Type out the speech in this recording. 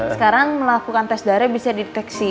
sekarang melakukan tes darah bisa dideteksi